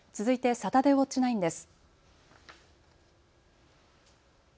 サタデーウオッチ９です。